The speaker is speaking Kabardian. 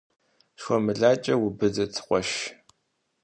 ШхуэмылакӀэр убыдыт, къуэш.